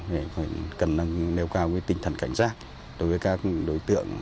để cần nêu cao tinh thần cảnh giác đối với các đối tượng